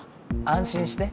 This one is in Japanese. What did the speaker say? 安心して。